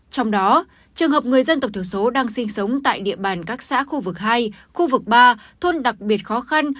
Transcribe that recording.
trong đó trường hợp người dân tộc thiểu số đang sinh sống tại địa bàn các xã khu vực hai khu vực ba thôn đặc biệt khó khăn